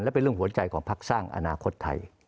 และเป็นเรื่องหัวใจของพักสร้างอนาคตไทย